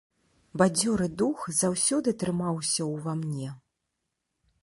Бадзёры дух заўсёды трымаўся ўва мне.